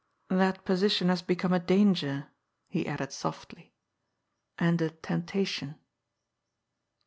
"That position has become a danger," he added softly, " and a temptation."